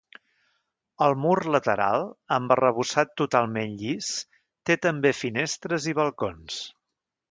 El mur lateral, amb arrebossat totalment llis, té també finestres i balcons.